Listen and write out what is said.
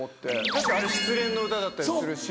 確かにあれ失恋の歌だったりするし。